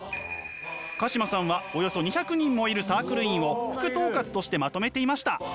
鹿島さんはおよそ２００人もいるサークル員を副統括としてまとめていました！